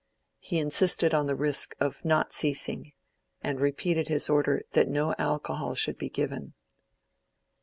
He insisted on the risk of not ceasing; and repeated his order that no alcohol should be given.